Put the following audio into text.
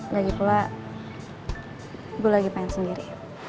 lagi pula gue lagi pengen sendiri